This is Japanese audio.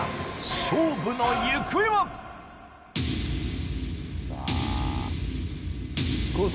勝負の行方は⁉「降参」？